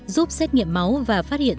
giúp xét nghiệm máu và phát hiện